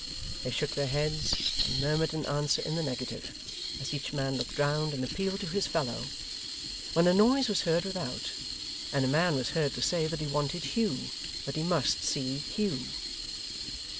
They shook their heads, and murmured an answer in the negative, as each man looked round and appealed to his fellow; when a noise was heard without, and a man was heard to say that he wanted Hugh that he must see Hugh.